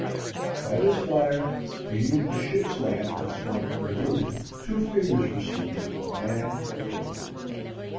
By this fire, beneath a ship's lamp that swung from the roof, two figures were seated, a man and a woman.